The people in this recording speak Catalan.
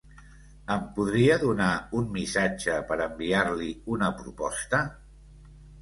Em podria donar un missatge per enviar-li una proposta?